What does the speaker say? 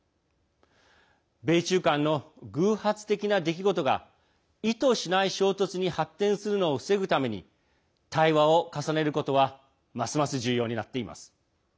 米中間の偶発的な出来事が意図しない衝突に発展するのを防ぐために対話を重ねることはますます重要になっています。